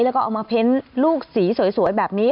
แล้วก็เอามาเพ้นลูกสีสวยแบบนี้